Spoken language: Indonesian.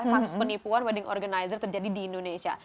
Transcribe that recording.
kasus penipuan wedding organizer terjadi di indonesia